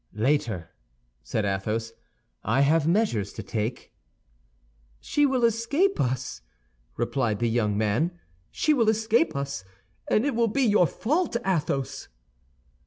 "Later," said Athos. "I have measures to take." "She will escape us," replied the young man; "she will escape us, and it will be your fault, Athos."